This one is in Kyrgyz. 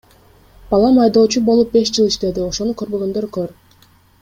Балам айдоочу болуп, беш жыл иштеди, ошону көрбөгөндөр көр.